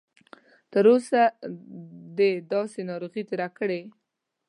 تر اوسه دې داسې ناروغي تېره کړې؟